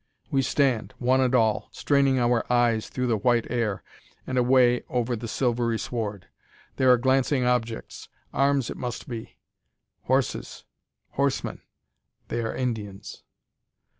We stand, one and all, straining our eyes through the white air, and away over the silvery sward. There are glancing objects: arms it must be. "Horses! horsemen! They are Indians!"